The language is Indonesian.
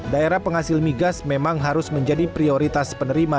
daerah penghasil migas memang harus menjadi prioritas penerima